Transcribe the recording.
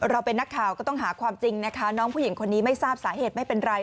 เราเป็นนักข่าวก็ต้องหาความจริงนะคะน้องผู้หญิงคนนี้ไม่ทราบสาเหตุไม่เป็นไร